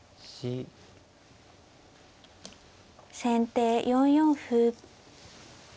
先手４四歩。